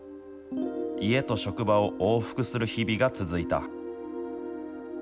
家と職場を往復する日々が続いた。